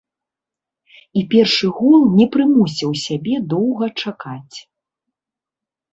І першы гол не прымусіў сябе доўга чакаць.